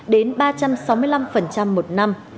đến ba trăm sáu mươi năm một năm